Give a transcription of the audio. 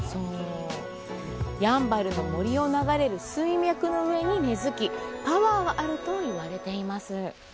やんばるの森を流れる水脈の上に根づき、パワーがあると言われています。